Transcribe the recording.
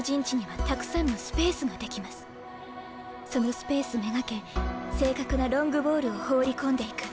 そのスペース目がけ正確なロングボールを放り込んでいく。